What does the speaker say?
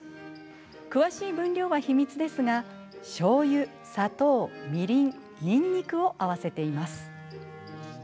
詳しい分量は秘密ですがしょうゆ、砂糖、みりんにんにくを合わせています。